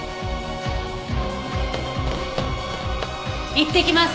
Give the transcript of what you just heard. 行ってきます。